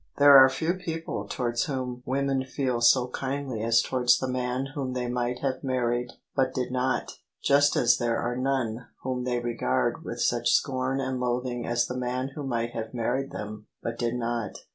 There are few people towards whom women feel so kindly as towards the man whom they might have mar ried, but did not: just as there are none whom they regard with such scorn and loathing as the man who might have married them, but did not.